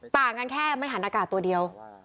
ต่างกันแค่ไม่หันอากาศตัวเดียว